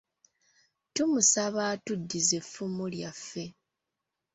Tumusaba atuddize effumu lyaffe.